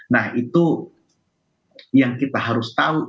nah itu yang kita harus tahu